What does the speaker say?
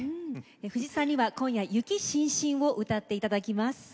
藤さんには今夜「雪深深」を歌っていただきます。